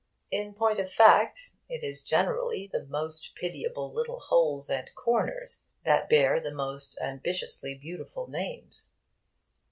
In point of fact, it is generally the most pitiable little holes and corners that bear the most ambitiously beautiful names.